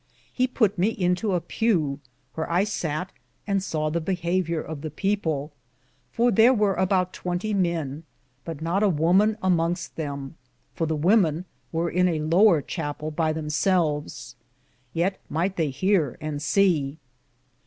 He pute me into a pue, whear I satt and saw the behaveour of the people, for thare weare about 20 men, but not a woman emongste them ; for the wemen weare in a lower chapell by them selves,^ yeate myghte they heare and se.